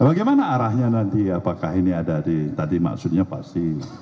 bagaimana arahnya nanti apakah ini ada di tadi maksudnya pasti